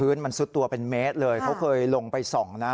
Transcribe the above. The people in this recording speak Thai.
มันซุดตัวเป็นเมตรเลยเขาเคยลงไปส่องนะ